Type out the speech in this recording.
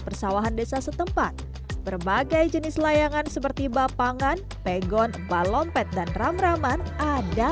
persawahan desa setempat berbagai jenis layangan seperti bapangan pegon balompet dan ram raman ada